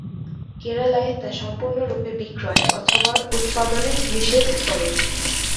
কেরালায় তা সম্পূর্ণরূপে বিক্রয় অথবা উৎপাদনে নিষেধ করে।